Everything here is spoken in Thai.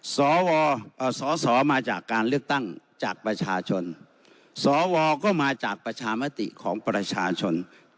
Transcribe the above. สอสอมาจากการเลือกตั้งจากประชาชนสวก็มาจากประชามติของประชาชน